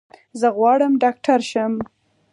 زه غواړم ډاکټر شم.